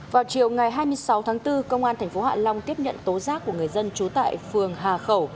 vào chiều ngày hai mươi sáu tháng bốn công an tp hạ long tiếp nhận tố giác của người dân trú tại phường hà khẩu